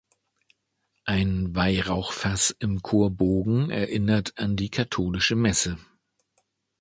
Ein Weihrauchfass im Chorbogen erinnert an die katholische Messe.